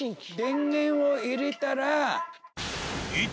電源を入れたら。